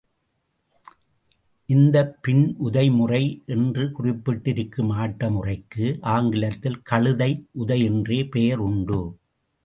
இந்தப் பின் உதை முறை என்று குறிப்பிட்டிருக்கும் ஆட்ட முறைக்கு, ஆங்கிலத்தில் கழுதை உதை என்றே பெயர் உண்டு.